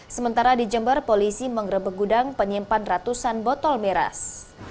sementara di jember polisi mengrebek gudang penyimpan ratusan botol miras